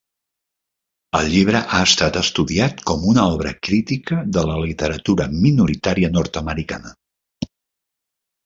El llibre ha estat estudiat com una obra crítica de la literatura minoritària nord-americana.